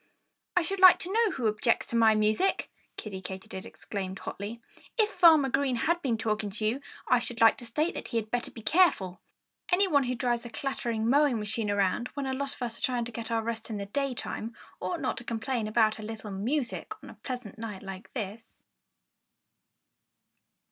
"I should like to know who objects to my music?" Kiddie Katydid exclaimed hotly. "If Farmer Green has been talking to you, I should like to state that he had better be careful. Anyone who drives a clattering mowing machine around, when a lot of us are trying to get our rest in the daytime, ought not to complain about a little music on a pleasant night like this."